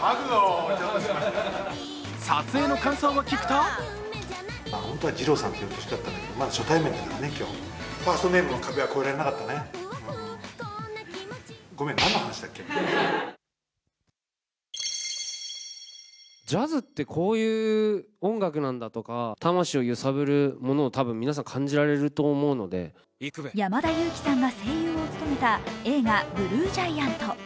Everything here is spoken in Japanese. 撮影の感想を聞くと山田裕貴さんが声優を務めた映画「ＢＬＵＥＧＩＡＮＴ」。